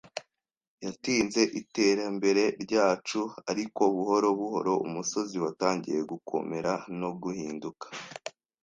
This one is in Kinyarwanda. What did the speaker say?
yatinze iterambere ryacu; ariko buhoro buhoro umusozi watangiye gukomera no guhinduka